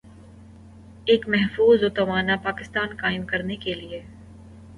ایک مضبوط و توانا پاکستان قائم کرنے کے لئیے ۔